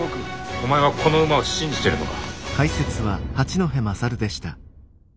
お前はこの馬を信じてるのか？